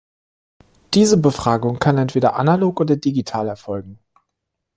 Diese Befragung kann entweder analog oder digital erfolgen.